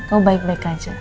kau baik baik aja